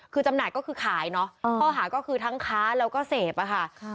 คือจำหน่ายก็คือขายเนาะข้อหาก็คือทั้งค้าแล้วก็เสพอะค่ะ